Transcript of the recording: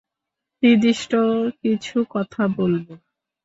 নির্দিষ্ট কিছু কথা বলব।